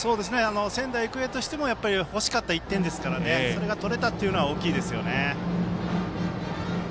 仙台育英としても欲しかった１点ですからそれが取れたというのは大きいですよね。